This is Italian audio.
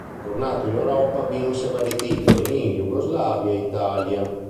Tornato in Europa vinse vari titoli in Jugoslavia e Italia.